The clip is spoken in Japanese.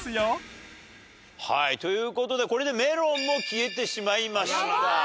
はいという事でこれでメロンも消えてしまいました。